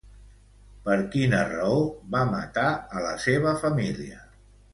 Per quina raó va matar a la seva família?